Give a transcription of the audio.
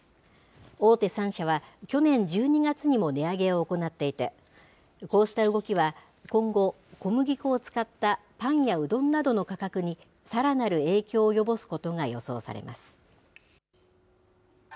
大手３社は、去年１２月にも値上げを行っていて、こうした動きは、今後、小麦粉を使ったパンやうどんなどの価格に、さらなる影響を及ぼすことが予想されます。